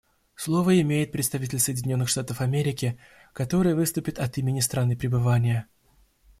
Слово имеет представитель Соединенных Штатов Америки, который выступит от имени страны пребывания.